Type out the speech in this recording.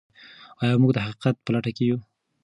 آیا موږ د حقیقت په لټه کې یو؟